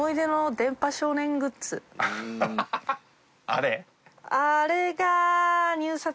あれ？